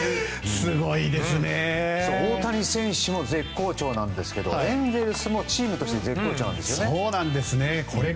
大谷選手も絶好調なんですけどエンゼルスもチームとして絶好調ですよね。